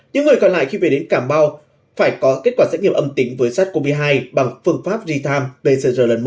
những người còn lại khi về đến cà mau phải có kết quả xét nghiệm âm tính với sars cov hai bằng phương pháp real time pcr lần một